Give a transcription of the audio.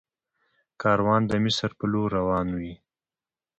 کاروان د مصر په لور روان وي.